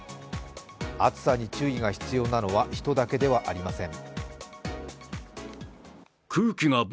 暑さに注意が必要なのは人だけではありません。